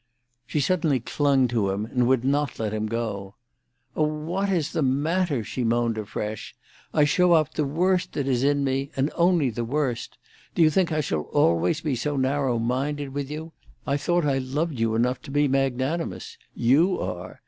She suddenly clung to him, and would not let him go. "Oh, what is the matter?" she moaned afresh. "I show out the worst that is in me, and only the worst. Do you think I shall always be so narrow minded with you? I thought I loved you enough to be magnanimous. You are.